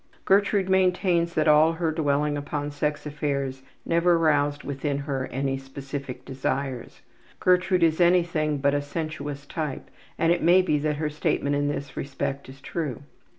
Gertrude maintains that all her dwelling upon sex affairs never aroused within her any specific desires. (Gertrude is anything but a sensuous type and it may be that her statement in this respect is true.)